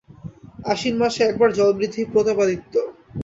আশ্বিন মাসে একবার জলবৃদ্ধি– প্রতাপাদিত্য।